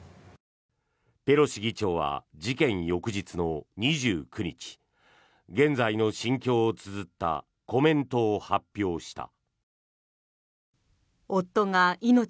ペロシ議長は事件翌日の２９日現在の心境をつづったコメントを発表した。